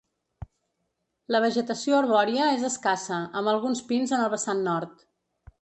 La vegetació arbòria és escassa amb alguns pins en el vessant nord.